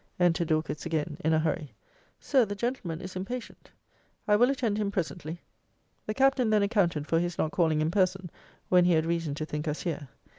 "' Enter Dorcas again in a hurry. Sir, the gentleman is impatient. I will attend him presently. The Captain then accounted for his not calling in person, when he had reason to think us here.